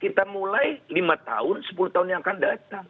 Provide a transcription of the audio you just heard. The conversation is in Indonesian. kita mulai lima tahun sepuluh tahun yang akan datang